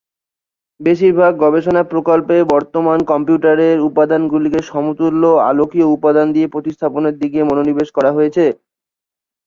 বেশিরভাগ গবেষণা প্রকল্পে বর্তমান কম্পিউটারের উপাদানগুলিকে সমতুল্য আলোকীয় উপাদান দিয়ে প্রতিস্থাপনের দিকে মনোনিবেশ করা হয়েছে।